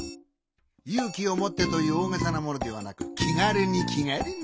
「ゆうきをもって！」というおおげさなものではなくきがるにきがるに。